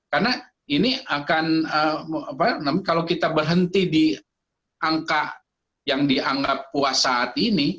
karena ini akan kalau kita berhenti di angka yang dianggap kuas saat ini